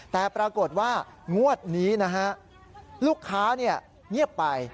แต่ปรากฏว่างวดนี้นะฮะลูกค้าเงียบไป